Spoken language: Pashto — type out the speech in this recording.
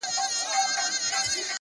شپه په خندا ده، سهار حیران دی.